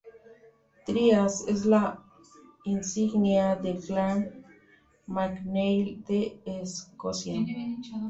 Dryas es la insignia del clan MacNeil de Escocia.